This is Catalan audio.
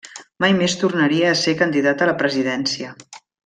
Mai més tornaria a ser candidat a la presidència.